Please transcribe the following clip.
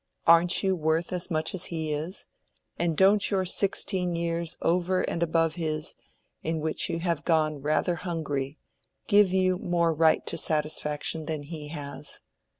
Aren't you worth as much as he is, and don't your sixteen years over and above his, in which you have gone rather hungry, give you more right to satisfaction than he has?